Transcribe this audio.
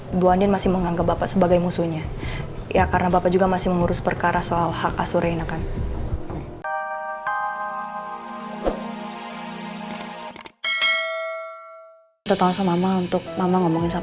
ibu andien masih menganggap bapak sebagai musuhnya